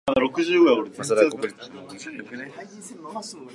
マサダ国立公園はイスラエルの文化遺産である。